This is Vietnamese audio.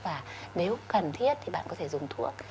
và nếu cần thiết thì bạn có thể dùng thuốc